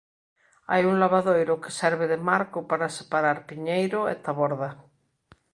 Hai un lavadoiro que serve de marco para separar Piñeiro e Taborda.